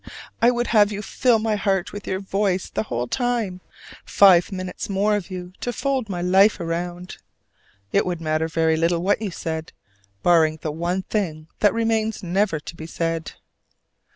I would have you fill my heart with your voice the whole time: five minutes more of you to fold my life round. It would matter very little what you said, barring the one thing that remains never to be said.